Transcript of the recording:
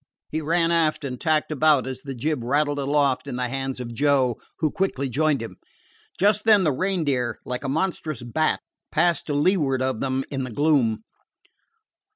He ran aft and tacked about as the jib rattled aloft in the hands of Joe, who quickly joined him. Just then the Reindeer, like a monstrous bat, passed to leeward of them in the gloom.